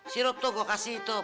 sirup tuh gue kasih itu